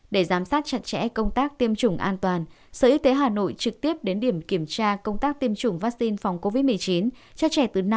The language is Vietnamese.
để giám sát chặt chẽ công tác tiêm chủng an toàn sở y tế hà nội trực tiếp đến điểm kiểm tra công tác tiêm chủng vaccine phòng covid một mươi chín cho trẻ từ năm hai nghìn hai